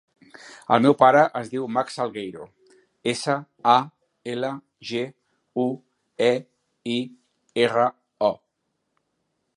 El meu pare es diu Max Salgueiro: essa, a, ela, ge, u, e, i, erra, o.